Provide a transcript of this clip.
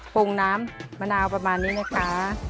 ปรุงน้ำมะนาวประมาณนี้นะคะ